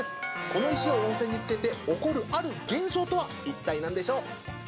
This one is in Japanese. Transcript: この石を温泉につけて起こる、ある現象とは一体なんでしょう。